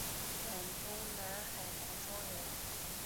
广东南海南庄人。